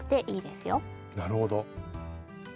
なるほど。